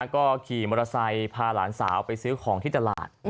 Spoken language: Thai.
ก็ขี่มอเตอร์ไซค์พาหลานสาวไปซื้อของที่ตลาด